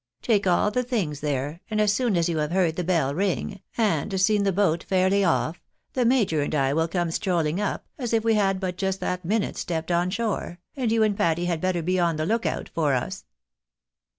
Take all the things there, and as soon as you have heard the bell ring, and seen the boat fairly off, the major and I will come strolling up, as if we had but just that minute stepped on shore, and you and Patty had better be on the look out for us."